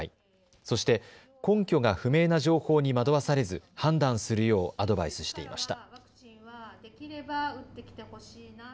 そして根拠が不明な情報に惑わされず判断するようアドバイスしていました。